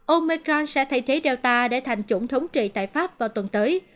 omicron sẽ thay thế delta để thành chủng thống trị tại pháp vào tuần tới